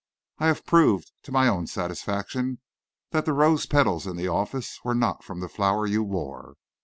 I have proved to my own satisfaction that the rose petals in the office were not from the flower you wore.